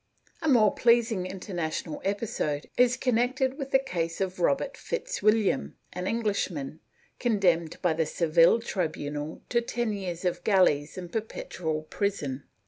^ A more pleasing international episode is connected with the case of Robert Fitzwilliam, an Englishman, condemned by the Seville tribunal to ten years of galleys and perpetual prison.